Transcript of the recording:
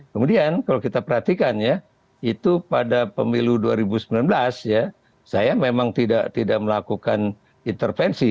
kemudian kalau kita perhatikan ya itu pada pemilu dua ribu sembilan belas ya saya memang tidak melakukan intervensi